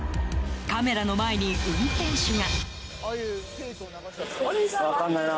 カメラの前に運転手が。